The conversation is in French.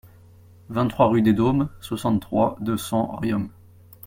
vingt-trois rue des Dômes, soixante-trois, deux cents, Riom